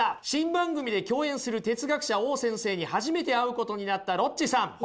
新番組で共演する哲学者Ｏ先生に初めて会うことになったロッチさん。